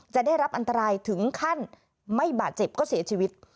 จะได้รับอันตรายถึงขั้นไม่บาดเจ็บก็เสียชีวิต